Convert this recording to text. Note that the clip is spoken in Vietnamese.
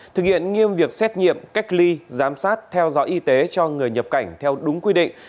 thực hiện nghiêm việc xét nghiệm cách ly giám sát theo dõi y tế cho người nhập cảnh theo đúng quy định